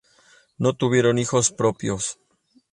No tuvieron hijos propios.